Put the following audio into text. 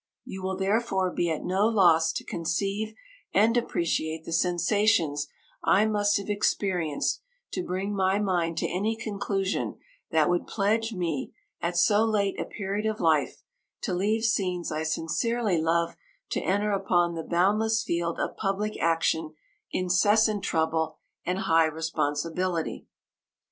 You will, therefore, be at no loss to conceive and appreciate the sensations I must have experienced to bring my mind to any conclusion that would pledge me, at so late a period of life, to leave scenes I sincerely love to enter upon the boundless field of public action, incessant trouble, and high responsibility."